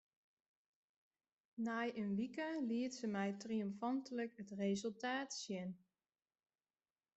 Nei in wike liet se my triomfantlik it resultaat sjen.